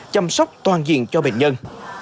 chăm sóc toàn diện cho bệnh nhân